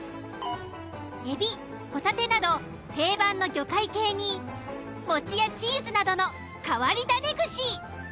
エビホタテなど定番の魚介系にもちやチーズなどの変わり種串。